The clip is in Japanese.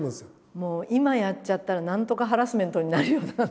もう今やっちゃったら何とかハラスメントになるような話？